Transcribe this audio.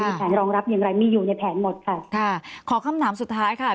มีแผนรองรับอย่างไรมีอยู่ในแผนหมดค่ะค่ะขอคำถามสุดท้ายค่ะ